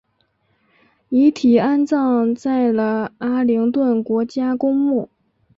遗体安葬在了阿灵顿国家公墓